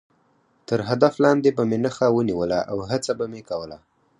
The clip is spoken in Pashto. تر هدف لاندې به مې نښه ونیوله او هڅه به مې کوله.